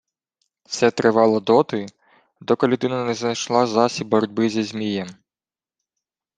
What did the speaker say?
Все тривало доти, доки людина не знайшла засіб боротьби зі Змієм